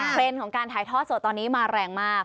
ของการถ่ายทอดสดตอนนี้มาแรงมาก